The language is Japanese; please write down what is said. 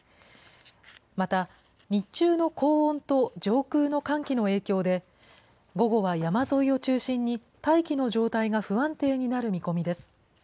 また、日中の高温と上空の寒気の影響で、午後は山沿いを中心に大気の状態が不安定になる見込みです。